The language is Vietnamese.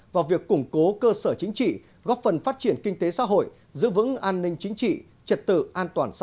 vào việc củng cố cơ sở chính trị góp phần phát triển kinh tế xã hội giữ vững an ninh chính trị trật tự an toàn xã hội